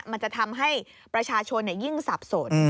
มันจะทำให้ประชาชนยิ่งสับสน